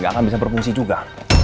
nggak akan bisa berfungsi juga